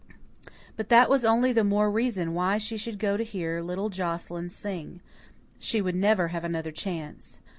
But that was only the more reason why she should go to hear little Joscelyn sing; she would never have another chance.